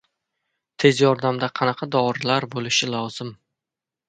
"Tez yordam"da qanaqa dorilar bo‘lishi lozim?